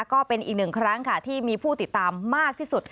ก็เป็นอีกหนึ่งครั้งค่ะที่มีผู้ติดตามมากที่สุด